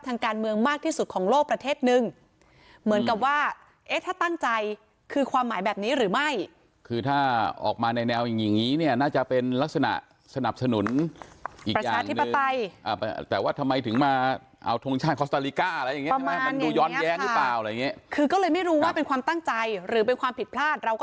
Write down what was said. เหมือนกับว่าเอ๊ะถ้าตั้งใจคือความหมายแบบนี้หรือไม่คือถ้าออกมาในแนวอย่างนี้เนี่ยน่าจะเป็นลักษณะสนับสนุนอีกอย่างหนึ่งประชาธิปไตยแต่ว่าทำไมถึงมาเอาทงชาติคอสเตอริกาอะไรอย่างนี้ประมาณอย่างนี้ค่ะมันดูย้อนแย้งหรือเปล่าอะไรอย่างนี้คือก็เลยไม่รู้ว่าเป็นความตั้งใจหรือเป็นความผิดพลาดเราก